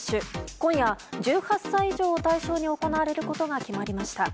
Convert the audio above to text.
今夜、１８歳以上を対象に行われることが決まりました。